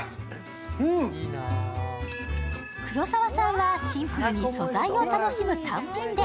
黒澤さんはシンプルに素材を楽しむ単品で。